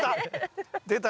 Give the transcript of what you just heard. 出た！